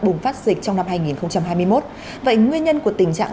bùng phát dịch trong năm hai nghìn hai mươi một vậy nguyên nhân của tình trạng